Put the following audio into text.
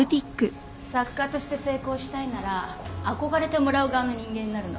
作家として成功したいなら憧れてもらう側の人間になるの。